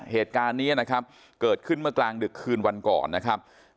เหตุการณ์นี้นะครับเกิดขึ้นเมื่อกลางดึกคืนวันก่อนนะครับ